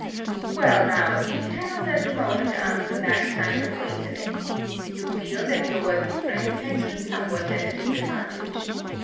Well, now, you cannot at the moment answer that kind of reasoning. You feel that your worthy friend has you somewhat at a disadvantage.